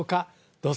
どうぞ